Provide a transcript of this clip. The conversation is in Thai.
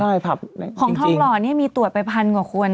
ใช่ผับของทองหล่อนี่มีตรวจไปพันกว่าคน